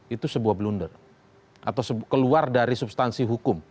itu sebuah blunder atau keluar dari substansi hukum